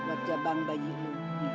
buat jabang bayi lo